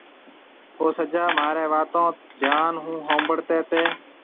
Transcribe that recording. او سجا مهاريَ واتون ڌيان هون هونبڙتي تي۔